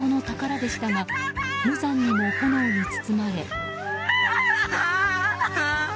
地元の宝でしたが無残にも炎に包まれ。